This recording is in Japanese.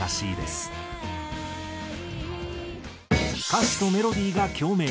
歌詞とメロディーが共鳴！